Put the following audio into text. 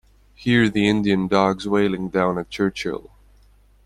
Hear the Indian dogs wailing down at Churchill.